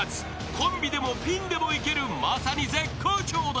［コンビでもピンでもいけるまさに絶好調だ］